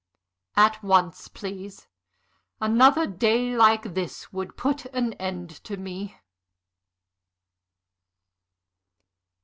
"At once, please. Another day like this would put an end to me."